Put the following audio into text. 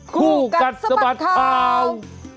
คู่กัดสมัครข่าวคู่กัดสมัครข่าว